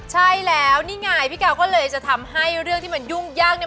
ใช่แล้วนี่ไงพี่กาวก็เลยจะทำให้เรื่องที่มันยุ่งยากเนี่ย